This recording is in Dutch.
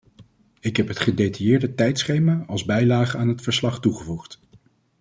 Ik heb het gedetailleerde tijdschema als bijlage aan het verslag toegevoegd.